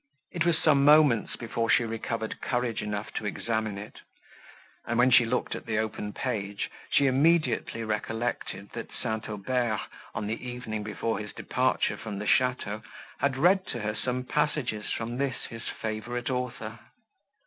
It was some moments before she recovered courage enough to examine it; and, when she looked at the open page, she immediately recollected, that St. Aubert, on the evening before his departure from the château, had read to her some passages from this his favourite author.